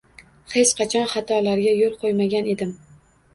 Hech qachon xatolarga yo’l qo’ymagan edim.